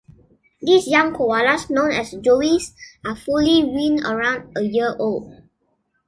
These young koalas, known as joeys, are fully weaned around a year old.